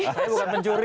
saya bukan pencuri